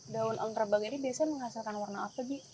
daun angkrebang ini biasanya menghasilkan warna apa bu